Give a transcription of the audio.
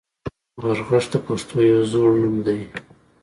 غرغښت د پښتنو یو زوړ نوم دی